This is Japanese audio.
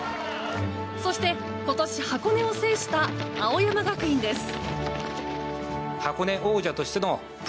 そして今年、箱根を制した青山学院です。